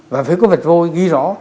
và phải có vệt vôi ghi rõ